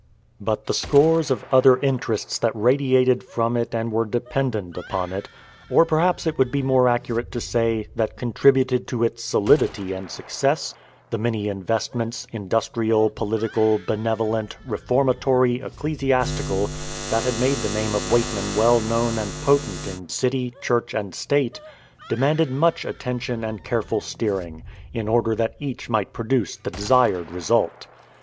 But the scores of other interests that radiated from it and were dependent upon it or perhaps it would be more accurate to say, that contributed to its solidity and success the many investments, industrial, political, benevolent, reformatory, ecclesiastical, that had made the name of Weightman well known and potent in city, church, and state, demanded much attention and careful steering, in order that each might produce the desired result.